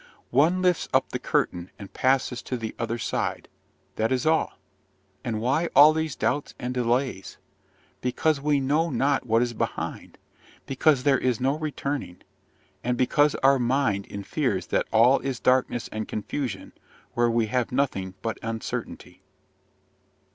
"One lifts up the curtain, and passes to the other side, that is all! And why all these doubts and delays? Because we know not what is behind because there is no returning and because our mind infers that all is darkness and confusion, where we have nothing but uncertainty."